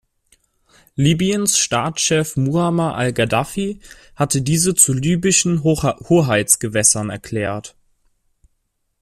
Libyens Staatschef Muammar al-Gaddafi hatte diese zu libyschen Hoheitsgewässern erklärt.